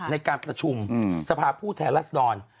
ในการประชุมสภาผู้แทนลักษณ์